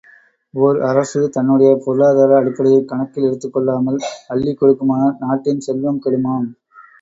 ஓர் அரசு தன்னுடைய பொருளாதார அடிப்படையைக் கணக்கில் எடுத்துக் கொள்ளாமல் அள்ளிக்கொடுக்குமானால் நாட்டின் செல்வம் கெடுமாம்.